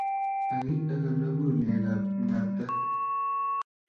Agi akanabunekab mg’atak